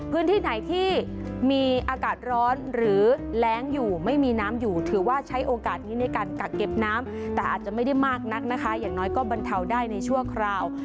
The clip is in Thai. พื้นที่ไหนที่มีอากาศร้อนหรือแร้งอยู่ไม่มีน้ำอยู่ถือว่าใช้โอกาสนี้ในการกักเก็บน้ำแต่อาจจะไม่ได้มากนักนะคะอย่างน้อยก็บรรเทาได้ในชั่วคราว